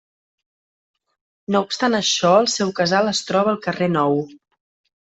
No obstant això el seu casal es troba al Carrer Nou.